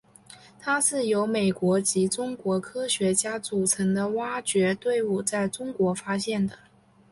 它是由美国及中国科学家组成的挖掘队伍在中国发现的。